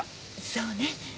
そうね。